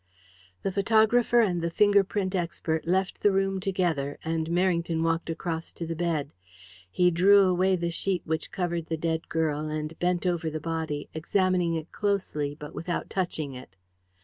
The photographer and the finger print expert left the room together, and Merrington walked across to the bed. He drew away the sheet which covered the dead girl, and bent over the body, examining it closely, but without touching it.